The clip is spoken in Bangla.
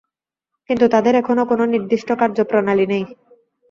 কিন্তু তাঁদের এখনও কোন নির্দিষ্ট কার্যপ্রণালী নেই।